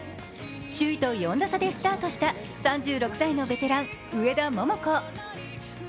首位と４打差でスタートした３６歳のベテラン、上田桃子。